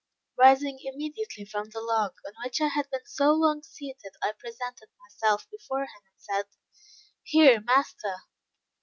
Rising immediately from the log on which I had been so long seated, I presented myself before him, and said, "Here, master."